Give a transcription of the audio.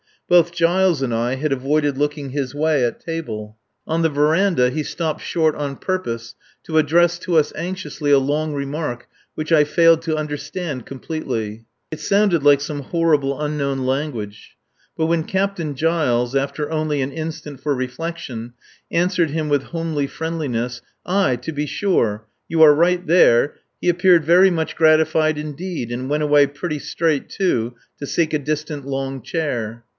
Both Giles and I had avoided looking his way at table. On the verandah he stopped short on purpose to address to us anxiously a long remark which I failed to understand completely. It sounded like some horrible unknown language. But when Captain Giles, after only an instant for reflection, assured him with homely friendliness, "Aye, to be sure. You are right there," he appeared very much gratified indeed, and went away (pretty straight, too) to seek a distant long chair.